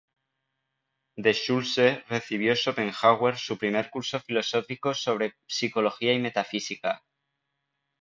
De Schulze recibió Schopenhauer su primer curso filosófico sobre Psicología y Metafísica.